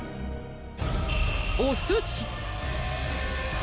お寿司。